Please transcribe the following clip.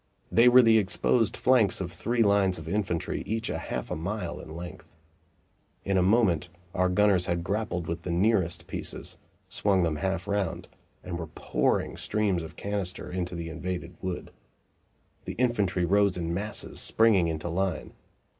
They were the exposed flanks of three lines of infantry, each half a mile in length. In a moment our gunners had grappled with the nearest pieces, swung them half round, and were pouring streams of canister into the invaded wood. The infantry rose in masses, springing into line.